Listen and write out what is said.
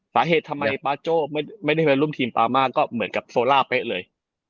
สาเหตุทำไมปาโจ้ไม่ได้ไปร่วมทีมปามาก็เหมือนกับโซล่าเป๊ะเลย